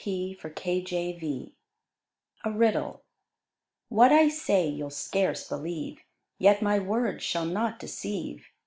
A RIDDLE. WHAT I say you'll scarce believe, Yet my words shall not deceive.